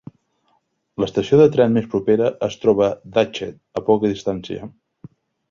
L'estació de tren més propera es troba a Datchet, a poca distància.